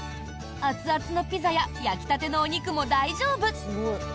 熱々のピザや焼きたてのお肉も大丈夫！